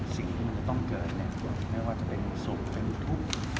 สิ่งที่มันจะต้องเกิดในส่วนไม่ว่าจะเป็นสุขเป็นทุกข์